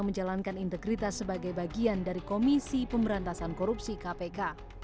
menjalankan integritas sebagai bagian dari komisi pemberantasan korupsi kpk